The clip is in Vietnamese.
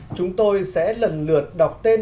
chúng tôi sẽ lần lượt tìm ra giải ba của chương trình